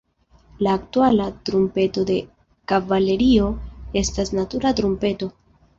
La aktuala trumpeto de kavalerio estas natura trumpeto.